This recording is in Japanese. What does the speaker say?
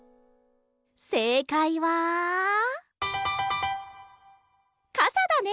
せいかいはかさだね！